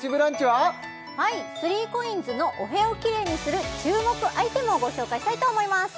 はい３ＣＯＩＮＳのお部屋をキレイにする注目アイテムをご紹介したいと思います